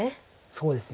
そうですね。